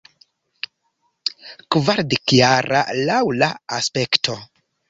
Kvardekjara, laŭ la aspekto.